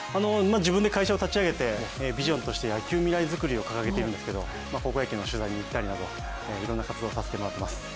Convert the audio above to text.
自分で会社を立ち上げてビジョンとして野球未来づくりを掲げているんですけど高校野球の取材に行ったりなどいろんな活動をさせてもらってます。